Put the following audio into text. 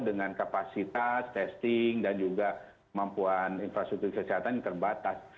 dengan kapasitas testing dan juga kemampuan infrastruktur kesehatan yang terbatas